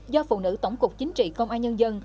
do phụ nữ tổng cục chính trị công an nhân dân